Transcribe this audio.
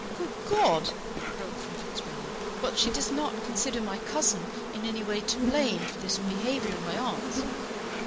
"Good God!" broke from Fitzwilliam; "but she does not consider my cousin in any way to blame for this behaviour of my aunt's?"